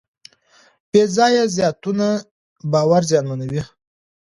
بېځایه زیاتونې باور زیانمنوي.